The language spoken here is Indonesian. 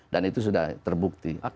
dan itu sudah terbukti